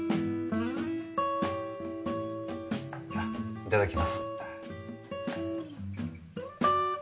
いただきます。